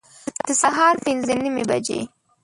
د سهار پنځه نیمي بجي